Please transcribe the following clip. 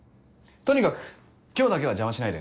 とにかく今日だけは邪魔しないで。